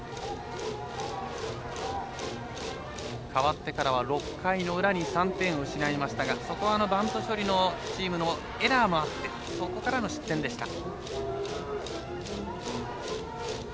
代わってから６回の裏に３点を失いましたがそこは、バント処理のチームのエラーもあってそこからの失点でした。